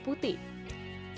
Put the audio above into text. zohri menemukan kamera putih